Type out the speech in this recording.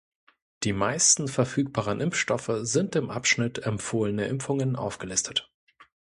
Die meisten verfügbaren Impfstoffe sind im Abschnitt "Empfohlene Impfungen" aufgelistet.